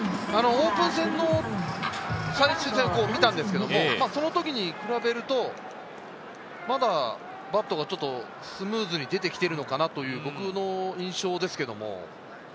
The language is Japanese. オープン戦の最終戦を見たんですけど、その時に比べると、まだバットがスムーズに出てきているのかなという僕の印象ですけど。